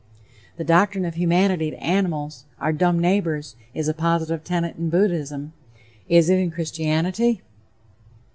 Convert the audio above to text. The doctrine of humanity to animals, our dumb neighbors, is a positive tenet in Buddhism; is it in Christianity?